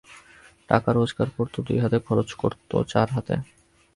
টাকা রোজগার করতো দুই হাতে, খরচ করতো চার হাতে।